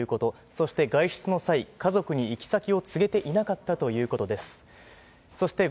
そして、外出の際、家族に行き先を告げていなかったということです。